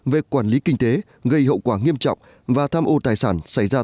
về quản lý kinh tế gây hậu quả nghiêm trọng và tham ô tài sản xảy ra